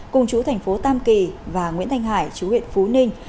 cùng chú thành phố tam kỳ và nguyễn thanh hải chú huyện phú ninh